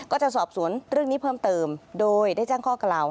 ก็จะสอบสวนเรื่องนี้เพิ่มเติมโดยได้แจ้งข้อกล่าว